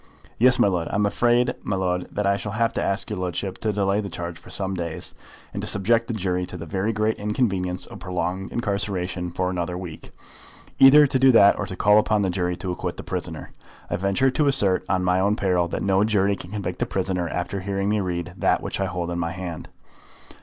"Yes, my lud; and I am afraid, my lud, that I shall have to ask your ludship to delay your charge for some days, and to subject the jury to the very great inconvenience of prolonged incarceration for another week; either to do that or to call upon the jury to acquit the prisoner. I venture to assert, on my own peril, that no jury can convict the prisoner after hearing me read that which I hold in my hand."